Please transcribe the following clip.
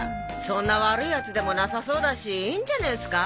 そんな悪いヤツでもなさそうだしいいんじゃねえっすか？